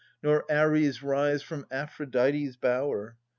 Nor Ares rise from Aphrodite's bower.